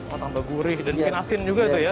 oh tambah gurih dan bikin asin juga tuh ya